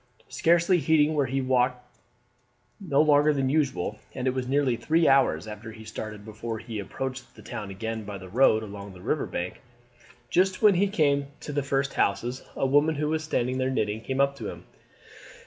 Scarcely heeding where he walked he was out longer than usual, and it was nearly three hours after he started before he approached the town again by the road along the river bank. Just when he came to the first houses a woman, who was standing there knitting, came up to him.